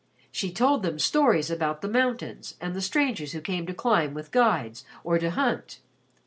She told them stories about the mountains and the strangers who came to climb with guides or to hunt.